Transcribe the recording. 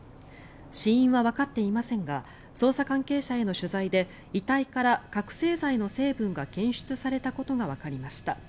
死因はわかっていませんが捜査関係者への取材で遺体から覚醒剤の成分が検出されたことがわかりました。